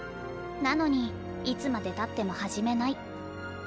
なのにいつまでたっても始めない。